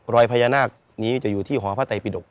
รอยพญานาคนี้จะอยู่ที่หอพระไตปิดก